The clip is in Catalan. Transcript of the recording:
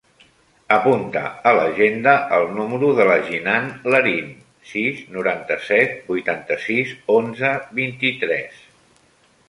Apunta a l'agenda el número de la Jinan Lerin: sis, noranta-set, vuitanta-sis, onze, vint-i-tres.